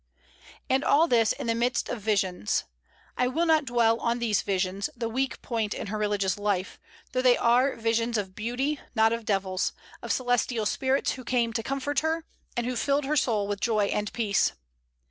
And all this in the midst of visions. I will not dwell on these visions, the weak point in her religious life, though they are visions of beauty, not of devils, of celestial spirits who came to comfort her, and who filled her soul with joy and peace.